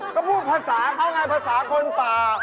ก็พูดภาษาเขาไงภาษาคนป่า